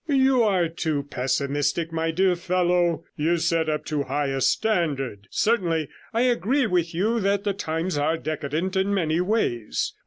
'You are too pessimistic, my dear fellow; you set up too high a standard. Certainly, I agree with you, that the times are decadent in many ways.